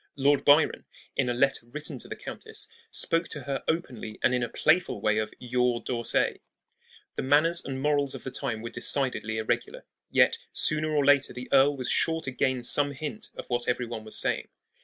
Lord Byron, in a letter written to the countess, spoke to her openly and in a playful way of "YOUR D'Orsay." The manners and morals of the time were decidedly irregular; yet sooner or later the earl was sure to gain some hint of what every one was saying.